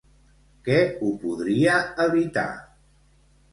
Què ho podria evitar?